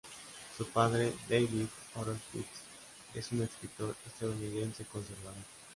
Su padre, David Horowitz, es un escritor estadounidense conservador.